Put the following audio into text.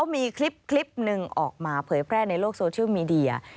มีคลิปหนึ่งออกมาเผยแพร่ในโลกโซเชียลมีเดีย